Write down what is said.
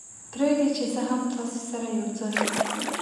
پرېږدئ چې زه هم تاسې سره یو ځای.